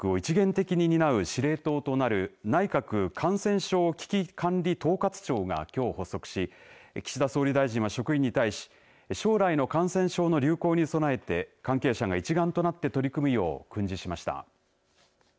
感染症対策を一元的に担う司令塔となる内閣感染症危機管理統括庁がきょう発足し岸田総理大臣は職員に対し将来の感染症の流行に備えて関係者が一丸となって取り組むよう訓示しました。